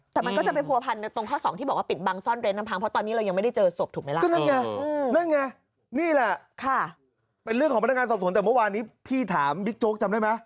แต่มันก็จะเป็นผัวพันธุ์ตรงข้อ๒ที่บอกว่าปิดบังซ่อนเรนด์ลำพังเพราะตอนนี้เรายังไม่ได้เจอศพถูกไหมล่ะ